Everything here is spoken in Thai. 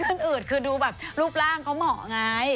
ขึ้นอืดคือดูรูปร่างเขาเหมาะไง